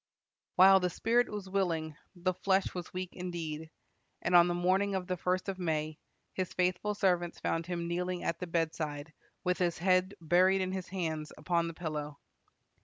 While the spirit was willing, the flesh was weak indeed, and on the morning of the first of May, his faithful servants found him kneeling at the bedside, with his head buried in his hands upon the pillow.